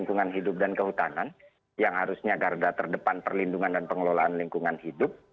lingkungan hidup dan kehutanan yang harusnya garda terdepan perlindungan dan pengelolaan lingkungan hidup